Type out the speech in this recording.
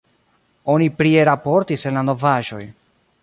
Oni prie raportis en la novaĵoj.